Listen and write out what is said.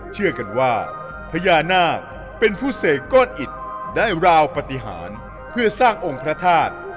เชื่อกันว่าพญานาคเป็นผู้เสกก้อนอิดได้ราวปฏิหารเพื่อสร้างองค์พระธาตุ